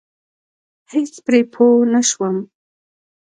هېڅ پرې پوه نشوم.